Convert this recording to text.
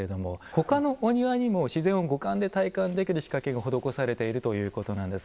ほかのお庭にも自然を五感で体感できる仕掛けが施されているということなんです。